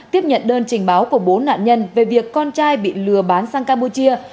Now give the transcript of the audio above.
tiếp nhận đơn trình báo của bốn nạn nhân về việc con trai bị lừa bán sang campuchia